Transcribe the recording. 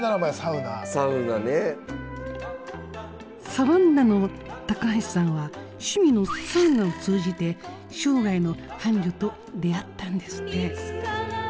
サバンナの高橋さんは趣味のサウナを通じて生涯の伴侶と出会ったんですって。